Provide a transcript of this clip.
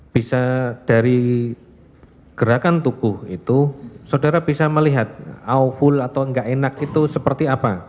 bisa dari gerakan tubuh itu saudara bisa melihat owful atau nggak enak itu seperti apa